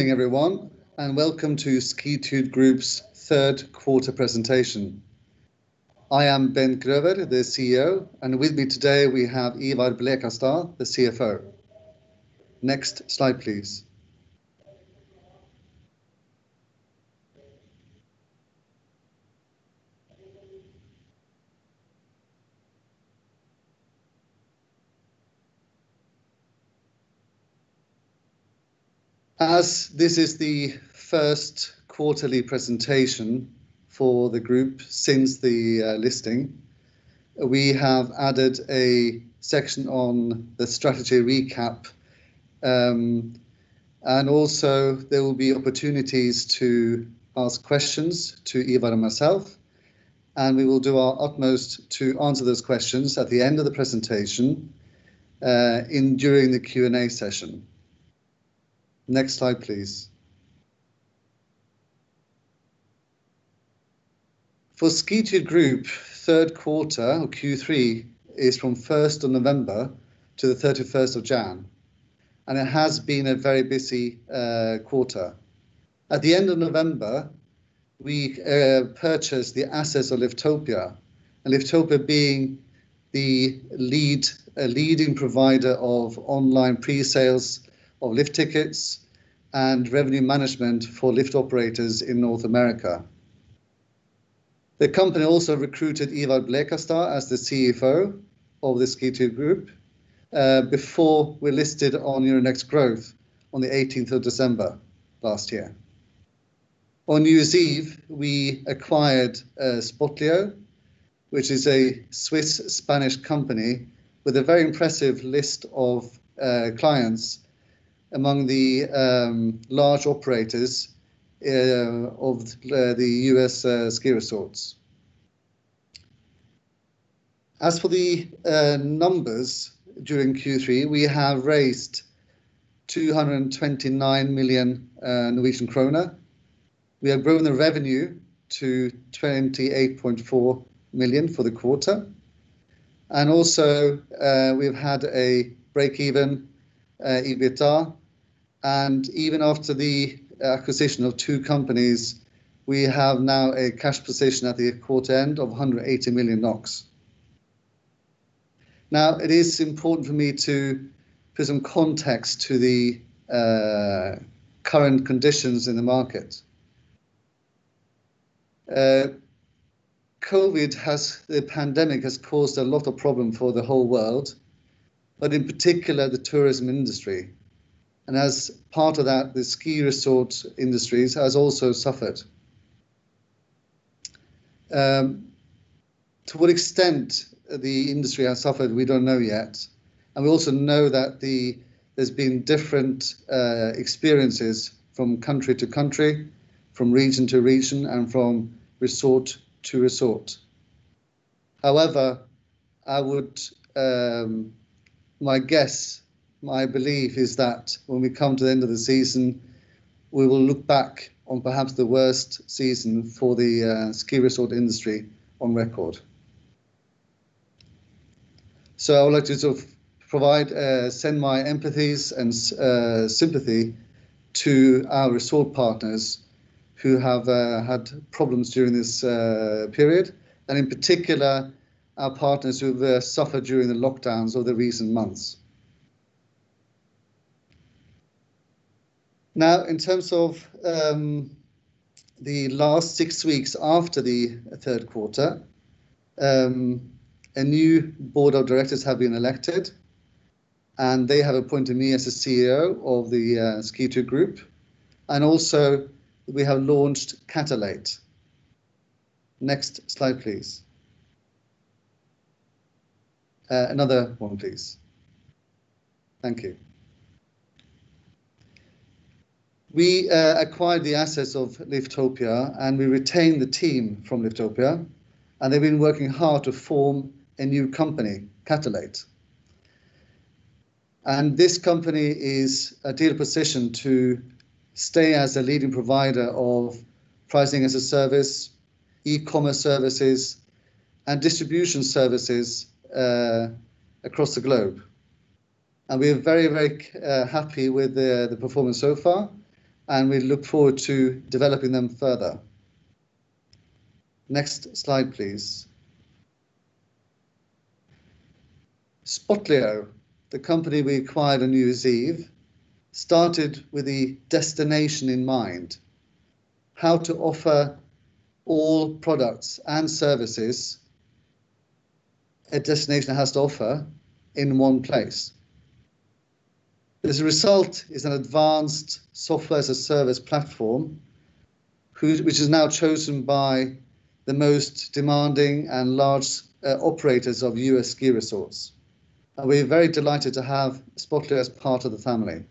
Good morning everyone, and welcome to Skitude Group's third quarter presentation. I am Bent Grøver, the CEO, and with me today we have Ivar Blekastad, the CFO. Next slide, please. As this is the first quarterly presentation for the group since the listing, we have added a section on the strategy recap. Also there will be opportunities to ask questions to Ivar and myself, and we will do our utmost to answer those questions at the end of the presentation during the Q&A session. Next slide, please. For Skitude Group, third quarter, or Q3, is from November 1 to January 31. It has been a very busy quarter. At the end of November, we purchased the assets of Liftopia. Liftopia being a leading provider of online pre-sales of lift tickets and revenue management for lift operators in North America. The company also recruited Ivar Blekastad as the CFO of the Skitude Group before we listed on Euronext Growth on the 18th of December last year. On New Year's Eve, we acquired Spotlio, which is a Swiss-Spanish company with a very impressive list of clients among the large operators of the U.S. ski resorts. As for the numbers during Q3, we have raised 229 million Norwegian kroner. We have grown the revenue to 28.4 million for the quarter, and also, we've had a break-even EBITDA. Even after the acquisition of two companies, we have now a cash position at the quarter end of 180 million NOK. Now, it is important for me to put some context to the current conditions in the market. COVID, the pandemic, has caused a lot of problem for the whole world, but in particular the tourism industry. As part of that, the ski resort industry has also suffered. To what extent the industry has suffered, we don't know yet, and we also know that there's been different experiences from country to country, from region to region, and from resort to resort. However, my guess, my belief is that when we come to the end of the season, we will look back on perhaps the worst season for the ski resort industry on record. I would like to send my empathies and sympathy to our resort partners who have had problems during this period, and in particular our partners who have suffered during the lockdowns of the recent months. Now, in terms of the last six weeks after the third quarter, a new board of directors have been elected and they have appointed me as the CEO of the Skitude Group. Also we have launched Catalate. Next slide, please. Another one, please. Thank you. We acquired the assets of Liftopia and we retained the team from Liftopia, and they've been working hard to form a new company, Catalate. This company is ideally positioned to stay as a leading provider of pricing as a service, e-commerce services, and distribution services across the globe. We are very happy with the performance so far and we look forward to developing them further. Next slide, please. Spotlio, the company we acquired on New Year's Eve, started with the destination in mind. How to offer all products and services a destination has to offer in one place. As a result is an advanced software as a service platform, which is now chosen by the most demanding and large operators of U.S. ski resorts. We are very delighted to have Spotlio as part of the family.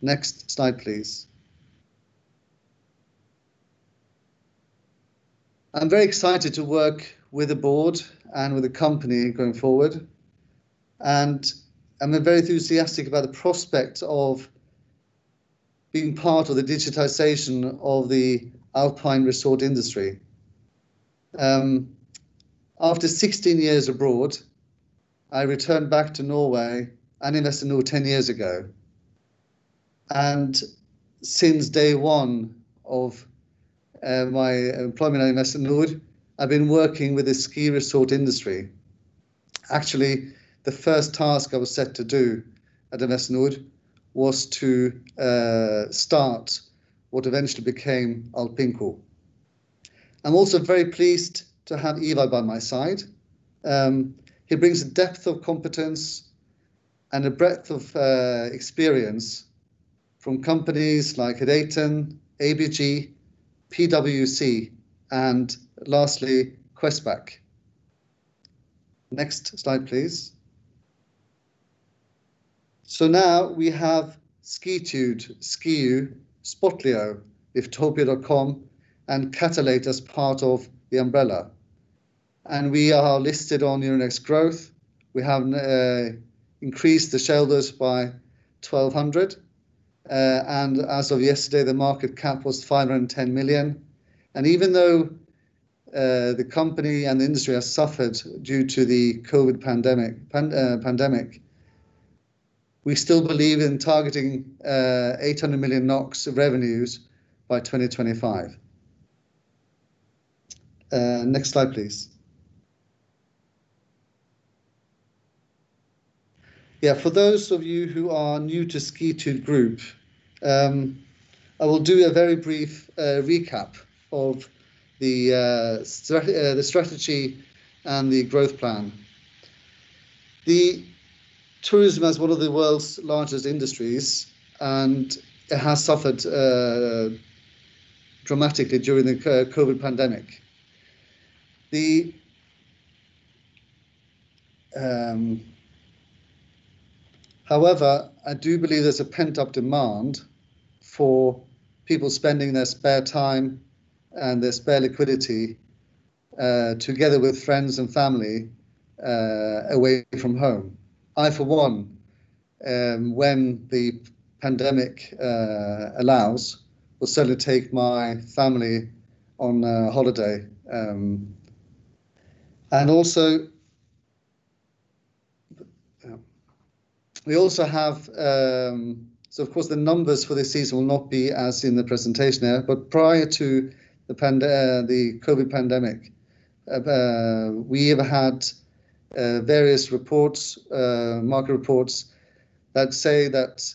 Next slide, please. I'm very excited to work with the board and with the company going forward, and I'm very enthusiastic about the prospect of being part of the digitization of the alpine resort industry. After 16 years abroad, I returned back to Norway and Investinor 10 years ago. Since day one of my employment at Investinor, I've been working with the ski resort industry. Actually, the first task I was set to do at Investinor was to start what eventually became Alpinfo. I'm also very pleased to have Ivar by my side. He brings a depth of competence and a breadth of experience from companies like Reitan, ABG, PwC and lastly, Questback. Next slide, please. Now we have Skitude, Skioo, Spotlio, Liftopia.com and Catalate as part of the umbrella, and we are listed on Euronext Growth. We have increased the shareholders by 1,200. As of yesterday, the market cap was 510 million. Even though the company and the industry has suffered due to the COVID pandemic, we still believe in targeting 800 million NOK revenues by 2025. Next slide, please. For those of you who are new to Skitude Group, I will do a very brief recap of the strategy and the growth plan. The tourism is one of the world's largest industries, and it has suffered dramatically during the COVID pandemic. However, I do believe there's a pent-up demand for people spending their spare time and their spare liquidity, together with friends and family, away from home. I, for one, when the pandemic allows, will certainly take my family on a holiday. Of course, the numbers for this season will not be as in the presentation here. Prior to the COVID-19 pandemic, we have had various market reports that say that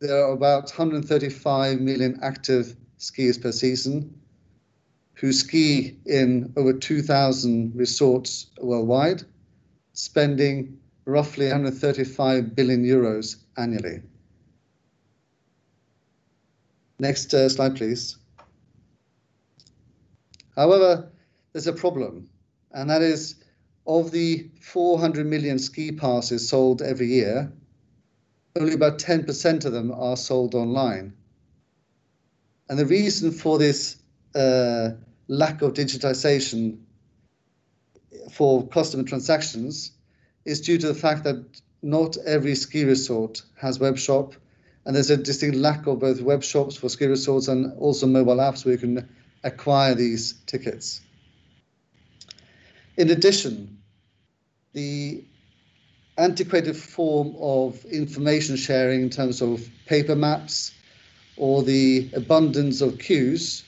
there are about 135 million active skiers per season who ski in over 2,000 resorts worldwide, spending roughly EUR 135 billion annually. Next slide, please. However, there's a problem, and that is, of the 400 million ski passes sold every year, only about 10% of them are sold online. The reason for this lack of digitization for customer transactions is due to the fact that not every ski resort has web shop, and there's a distinct lack of both web shops for ski resorts and also mobile apps where you can acquire these tickets. In addition, the antiquated form of information sharing in terms of paper maps or the abundance of queues,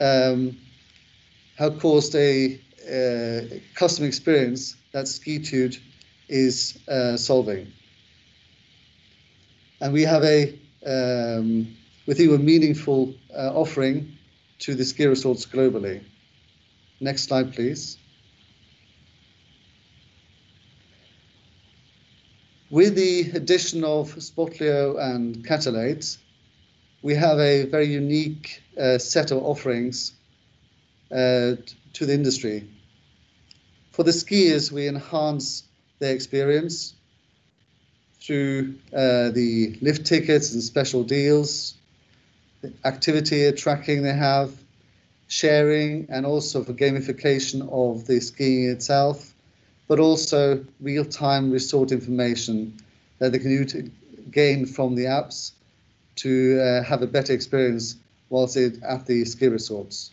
have caused a customer experience that Skitude is solving. We have what we think a meaningful offering to the ski resorts globally. Next slide, please. With the addition of Spotlio and Catalate, we have a very unique set of offerings to the industry. For the skiers, we enhance their experience through the lift tickets and special deals, the activity tracking they have, sharing, and also for gamification of the skiing itself, but also real-time resort information that they can gain from the apps to have a better experience whilst at the ski resorts.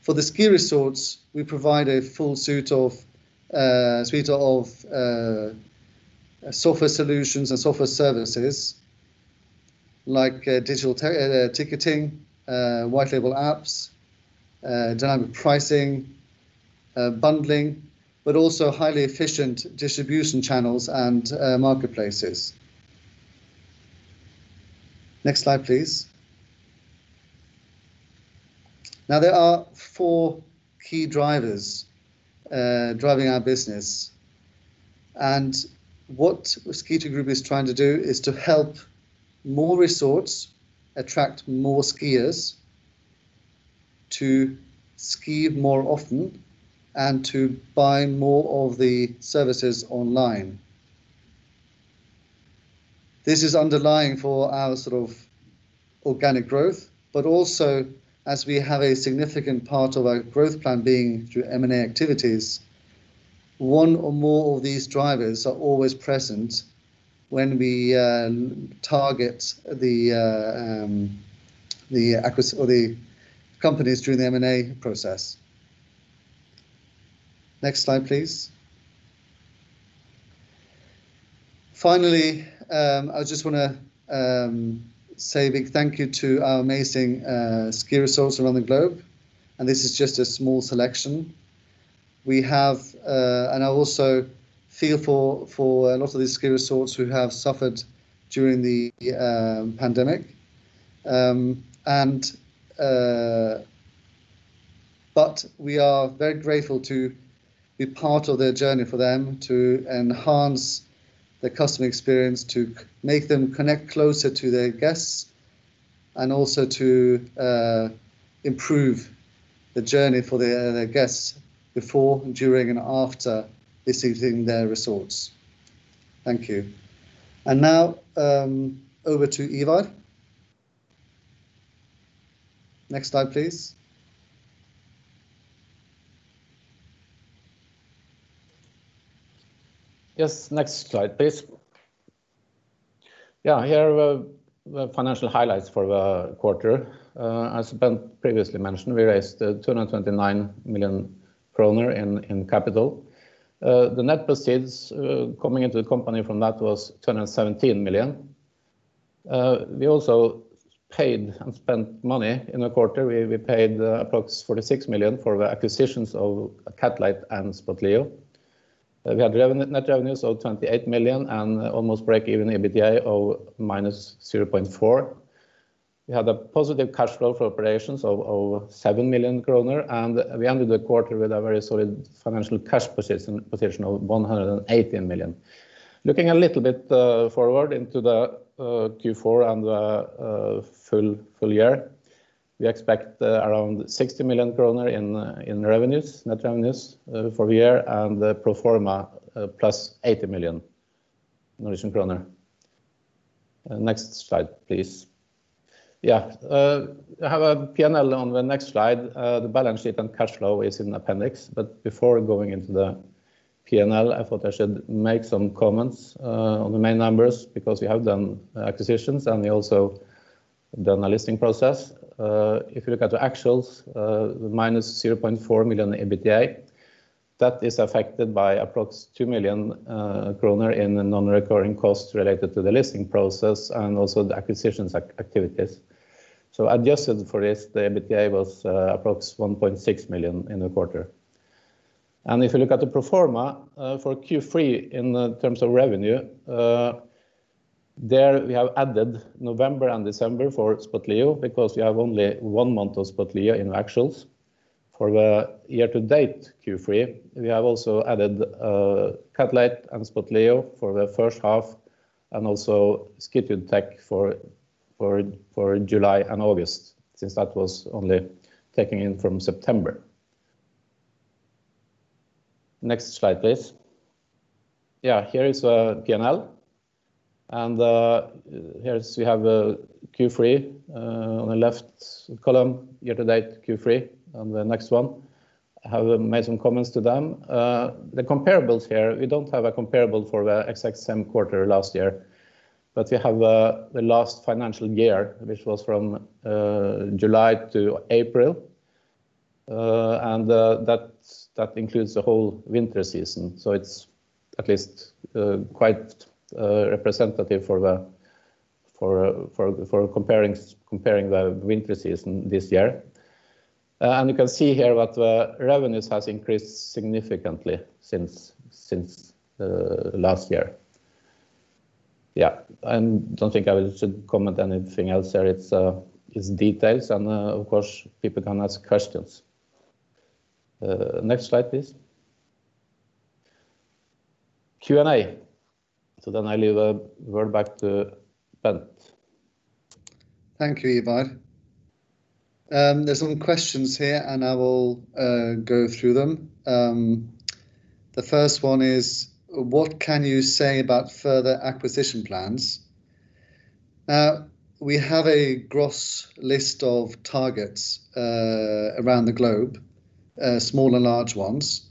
For the ski resorts, we provide a full suite of software solutions and software services like digital ticketing, white label apps, dynamic pricing, bundling, but also highly efficient distribution channels and marketplaces. Next slide, please. There are four key drivers driving our business. What Skitude Group is trying to do is to help more resorts attract more skiers to ski more often and to buy more of the services online. This is underlying for our organic growth, but also as we have a significant part of our growth plan being through M&A activities. One or more of these drivers are always present when we target the companies through the M&A process. Next slide, please. I just want to say a big thank you to our amazing ski resorts around the globe, and this is just a small selection. I also feel for a lot of these ski resorts who have suffered during the pandemic, but we are very grateful to be part of their journey for them to enhance their customer experience, to make them connect closer to their guests, and also to improve the journey for their guests before, during, and after visiting their resorts. Thank you. Now, over to Ivar. Next slide, please. Next slide, please. Here are the financial highlights for the quarter. As Bent previously mentioned, we raised 229 million kroner in capital. The net proceeds coming into the company from that was 217 million. We also paid and spent money in the quarter. We paid approx 46 million for the acquisitions of Catalate and Spotlio. We had net revenues of 28 million and almost break even EBITDA of -0.4. We had a positive cash flow for operations of 7 million kroner, and we ended the quarter with a very solid financial cash position of 180 million. Looking a little bit forward into the Q4 and the full year, we expect around 60 million kroner in net revenues for the year and pro forma plus 80 million Norwegian kroner. Next slide, please. I have a P&L on the next slide. The balance sheet and cash flow is in appendix. Before going into the P&L, I thought I should make some comments on the main numbers because we have done acquisitions, and we also done a listing process. If you look at the actuals, the -0.4 million EBITDA, that is affected by approx 2 million kroner in the non-recurring costs related to the listing process and also the acquisitions activities. Adjusted for this, the EBITDA was approx 1.6 million in the quarter. If you look at the pro forma for Q3 in terms of revenue, there we have added November and December for Spotlio because we have only one month of Spotlio in the actuals. For the year to date Q3, we have also added Catalate and Spotlio for the first half and also Skitude Tech for July and August, since that was only taking in from September. Next slide, please. Here is P&L. Here we have Q3 on the left column, year-to-date Q3 on the next one. I have made some comments to them. The comparables here, we don't have a comparable for the exact same quarter last year. We have the last financial year, which was from July to April. That includes the whole winter season. It's at least quite representative for comparing the winter season this year. You can see here that the revenues has increased significantly since last year. Don't think I should comment anything else there. It's details. Of course, people can ask questions. Next slide, please. Q&A. I leave the word back to Bent. Thank you, Ivar. There's some questions here and I will go through them. The first one is, what can you say about further acquisition plans? We have a gross list of targets around the globe, small and large ones.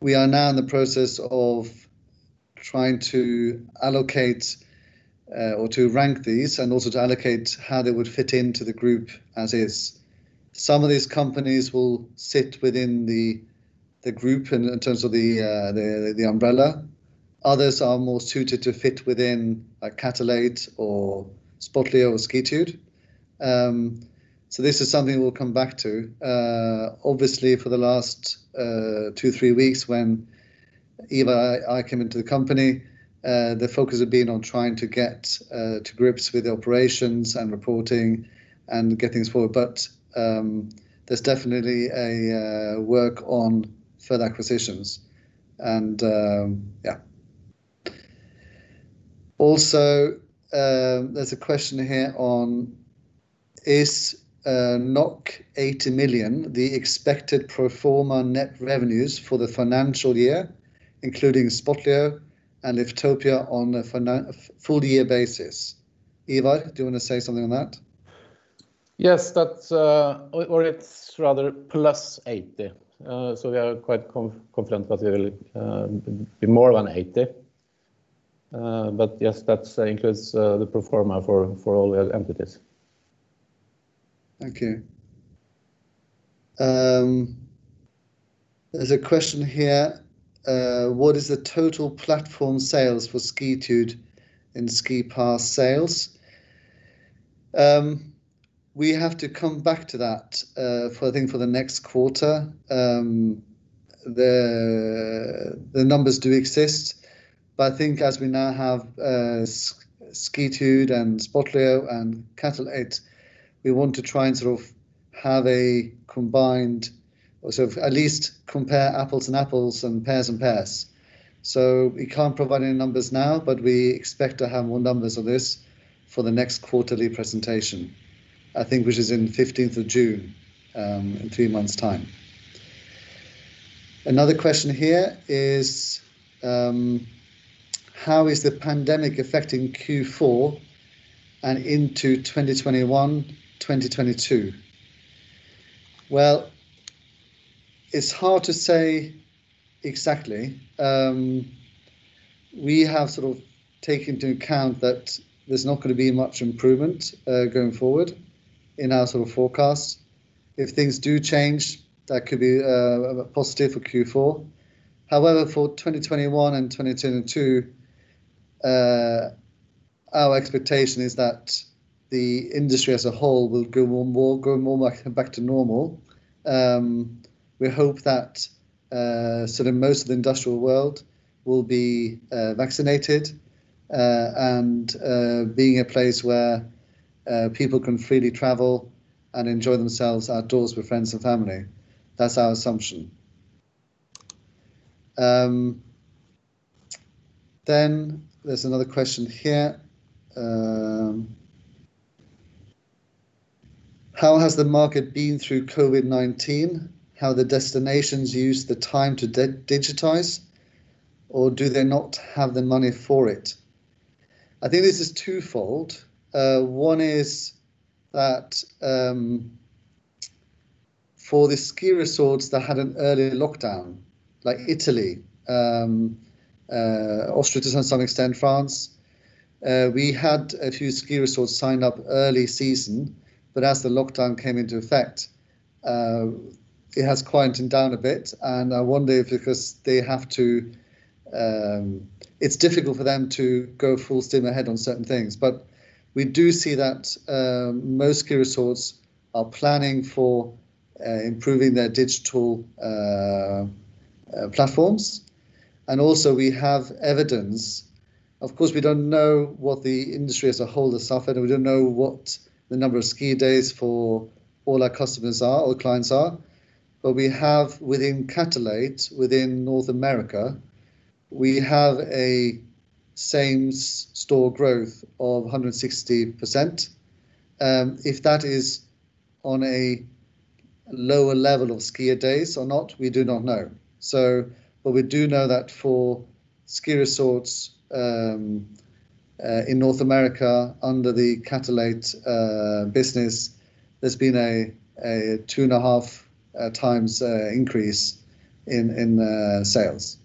We are now in the process of trying to allocate or to rank these and also to allocate how they would fit into the group as is. Some of these companies will sit within the group in terms of the umbrella. Others are more suited to fit within a Catalate or Spotlio or Skitude. This is something we'll come back to. Obviously, for the last two, three weeks when Ivar and I came into the company, the focus had been on trying to get to grips with the operations and reporting and get things forward. There's definitely a work on further acquisitions. There's a question here on is NOK 80 million the expected pro forma net revenues for the financial year, including Spotlio and Liftopia on a full year basis? Ivar, do you want to say something on that? It's rather +80 million. We are quite confident that we will be more than 80 million. Yes, that includes the pro forma for all the entities. Thank you. There's a question here, "What is the total platform sales for Skitude in ski pass sales?" We have to come back to that, I think for the next quarter. The numbers do exist, but I think as we now have Skitude and Spotlio and Catalate, we want to try and at least compare apples and apples, and pears and pears. We can't provide any numbers now, but we expect to have more numbers on this for the next quarterly presentation, I think which is in 15th of June, in three months' time. Another question here is, "How is the pandemic affecting Q4 and into 2021, 2022?" Well, it's hard to say exactly. We have taken into account that there's not going to be much improvement going forward in our forecasts. If things do change, that could be a positive for Q4. For 2021 and 2022, our expectation is that the industry as a whole will grow more back to normal. We hope that most of the industrial world will be vaccinated and being a place where people can freely travel and enjoy themselves outdoors with friends and family. That's our assumption. There's another question here. "How has the market been through COVID-19? Have the destinations used the time to digitize, or do they not have the money for it?" I think this is twofold. One is that for the ski resorts that had an early lockdown, like Italy, Austria to some extent, France, we had a few ski resorts sign up early season, but as the lockdown came into effect, it has quietened down a bit, and I wonder if it's difficult for them to go full steam ahead on certain things. We do see that most ski resorts are planning for improving their digital platforms, and also we have evidence. Of course, we don't know what the industry as a whole has suffered, and we don't know what the number of ski days for all our customers are, or clients are. We have within Catalate, within North America, we have a same-store growth of 160%. If that is on a lower level of skier days or not, we do not know. We do know that for ski resorts in North America under the Catalate business, there's been a two and a half times increase in sales.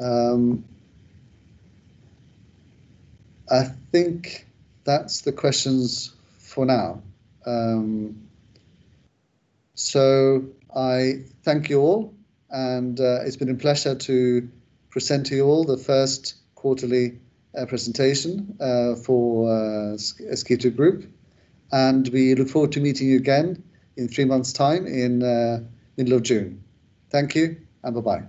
I think that's the questions for now. I thank you all. It's been a pleasure to present to you all the first quarterly presentation for Skitude Group. We look forward to meeting you again in three months' time in middle of June. Thank you, and bye-bye.